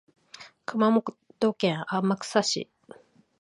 熊本県天草市